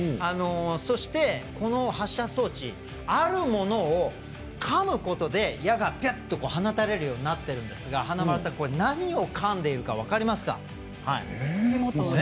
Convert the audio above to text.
そして、この発射装置あるものをかむことで、矢が放たれるようになっているんですが華丸さん、何をかんでいるか分かりますか？